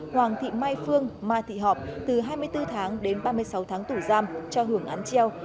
hoàng thị mai phương mai thị họp từ hai mươi bốn tháng đến ba mươi sáu tháng tù giam cho hưởng án treo